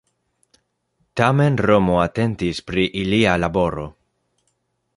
Tamen Romo atentis pri ilia laboro.